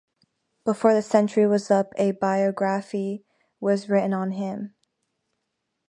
Before the century was up, a biography was written on him.